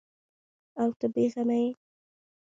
او ته بې غمه یې ؟